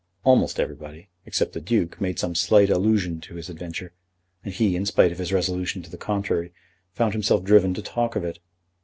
Almost everybody, except the Duke, made some slight allusion to his adventure, and he, in spite of his resolution to the contrary, found himself driven to talk of it.